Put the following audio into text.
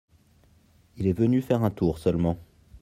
Il est venu faire un tour seulement.